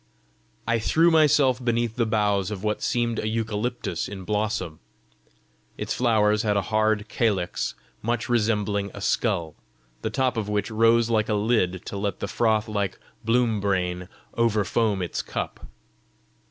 I threw myself beneath the boughs of what seemed a eucalyptus in blossom: its flowers had a hard calyx much resembling a skull, the top of which rose like a lid to let the froth like bloom brain overfoam its cup.